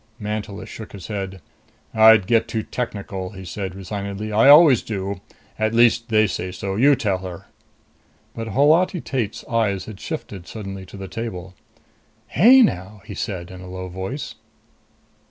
Mantelish shook his head. "I'd get too technical," he said resignedly. "I always do. At least they say so. You tell her." But Holati Tate's eyes had shifted suddenly to the table. "Hey, now!" he said in a low voice.